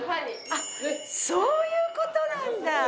あっそういう事なんだ！